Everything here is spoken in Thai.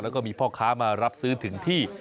แล้วก็มีพ่อค้ามารับซื้อถึงที่